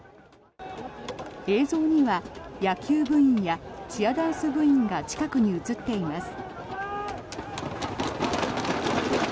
映像には野球部員やチアダンス部員が近くに映っています。